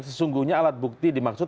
sesungguhnya alat bukti dimaksud